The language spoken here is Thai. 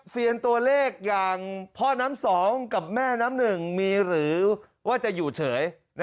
เซียนตัวเลขอย่างพ่อน้ำสองกับแม่น้ำหนึ่งมีหรือว่าจะอยู่เฉย